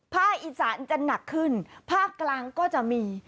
ภาคอีสานจะหนักขึ้นภาคกลางก็จะมี